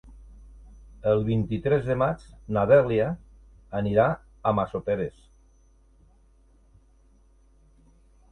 El vint-i-tres de maig na Dèlia anirà a Massoteres.